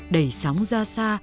đẩy sóng ra xa